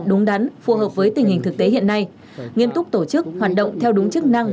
đúng đắn phù hợp với tình hình thực tế hiện nay nghiêm túc tổ chức hoạt động theo đúng chức năng